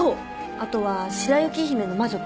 あとは『白雪姫』の魔女とか。